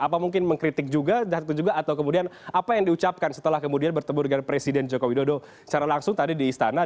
apa mungkin mengkritik juga atau kemudian apa yang diucapkan setelah kemudian bertemu dengan presiden joko widodo secara langsung tadi di istana